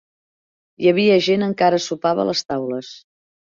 Hi havia gent encara sopava a les taules.